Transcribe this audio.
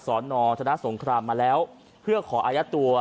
สอนอธนสงครามมาแล้วเพื่อขออายัดตัว